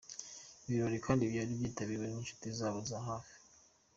Ibi birori kandi byari byitabiriwe n’ inshuti zabo za hafi .